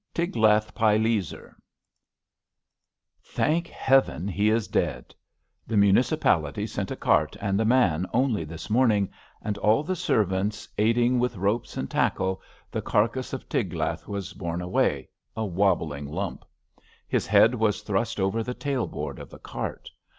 TIGLATH PILESER nr\ HANK Heaven he is dead 1 Tl^e municipality sent a cart and a man only this morning, and^ all the servants aiding with ropes and tackle, the carcase of Tiglath was borne away — a wobbling lump. His head was thrust over the tailboard of the cart.